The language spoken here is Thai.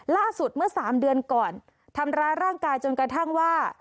ล่าสุดเมื่อสามเดือนก่อนทำร้ายร่างกายจนกระทั่งว่า